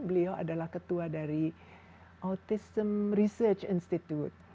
beliau adalah ketua dari autism research institute